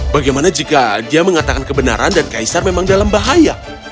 bagaimana jika dia mengatakan kebenaran dan kaisar memang dalam bahaya